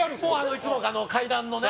いつも階段のね。